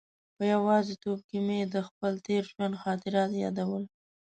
په یوازې توب کې مې د خپل تېر ژوند خاطرات یادول.